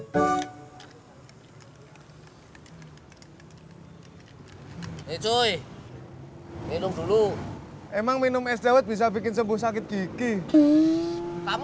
hai cuy minum dulu emang minum es diawat bisa bikin sembuh sakit gigi kamu